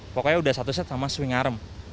pokoknya sudah satu set sama swing arm